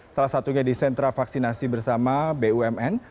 salah satunya di sentra vaksinasi bersama bumn